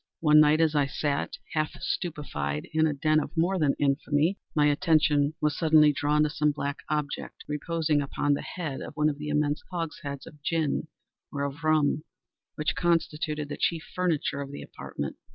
One night as I sat, half stupefied, in a den of more than infamy, my attention was suddenly drawn to some black object, reposing upon the head of one of the immense hogsheads of gin, or of rum, which constituted the chief furniture of the apartment.